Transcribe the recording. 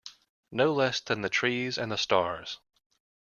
No less than the trees and the stars